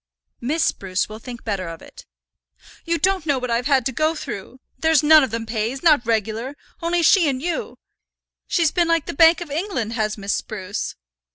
"Miss Spruce will think better of it." "You don't know what I've had to go through. There's none of them pays, not regular, only she and you. She's been like the Bank of England, has Miss Spruce."